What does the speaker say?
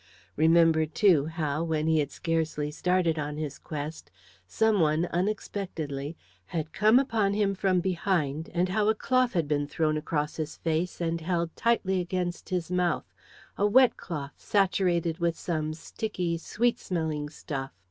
Remembered, too, how, when he had scarcely started on his quest, some one, unexpectedly, had come upon him from behind, and how a cloth had been thrown across his face and held tightly against his mouth a wet cloth, saturated with some sticky, sweet smelling stuff.